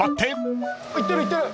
いってるいってる。